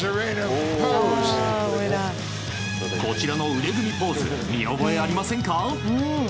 こちらの腕組みポーズ見覚えありませんか？